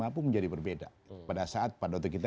mampu menjadi berbeda pada saat pada waktu kita